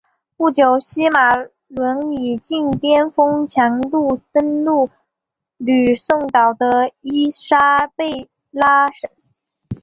不久西马仑以近颠峰强度登陆吕宋岛的伊莎贝拉省。